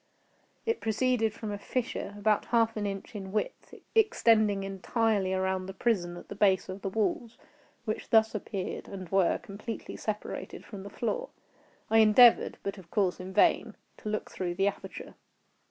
It proceeded from a fissure, about half an inch in width, extending entirely around the prison at the base of the walls, which thus appeared, and were, completely separated from the floor. I endeavored, but of course in vain, to look through the aperture.